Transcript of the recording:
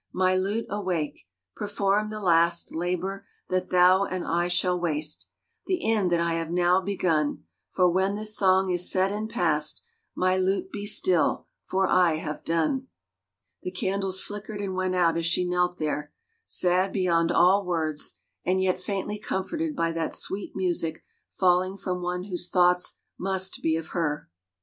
My lute awake! perform the last Labor that thou and I shall waste. The end that I have now begun ; For when this song is said and past. My lute, be still, for I have done. The candles flickered and went out as she knelt there, sad beyond all words and yet faintly comforted by that sweet music falling from one whose thoughts must be of her.